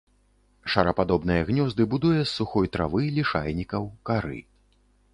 Шарападобныя гнёзды будуе з сухой травы, лішайнікаў, кары.